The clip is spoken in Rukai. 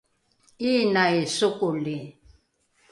’inai sokoli